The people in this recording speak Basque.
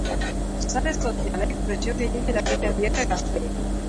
Sare sozialek presio gehiegi eragiten diete gazteei.